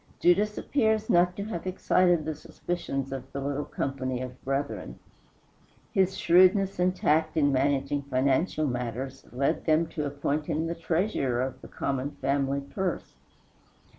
Judas appears not to have excited the suspicions of the little company of brethren. His shrewdness and tact in managing financial matters led them to appoint him the treasurer of the common family purse.